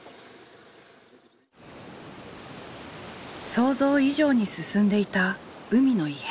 想像以上に進んでいた海の異変。